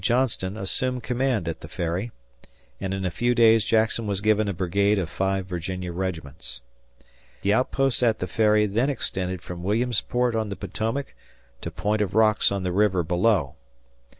Johnston assumed command at the Ferry, and in a few days Jackson was given a brigade of five Virginia regiments. The outposts at the Ferry then extended from Williamsport on the Potomac to Point of Rocks on the river below.